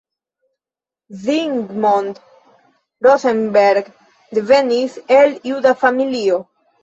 Zsigmond Rosenberg devenis el juda familio.